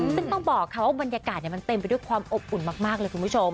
ซึ่งต้องบอกค่ะว่าบรรยากาศมันเต็มไปด้วยความอบอุ่นมากเลยคุณผู้ชม